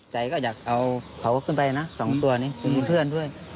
ใจก็อยากเอาเผาขึ้นไปนะ๒ตัวนี้เพื่อนด้วย